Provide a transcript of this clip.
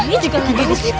ini juga lagi yang kita